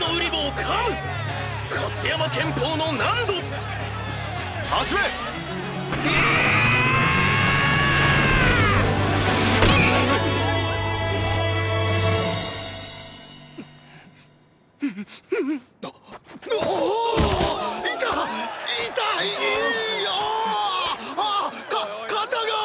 かっ肩が！！